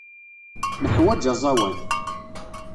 Neḥwaǧ aẓawan.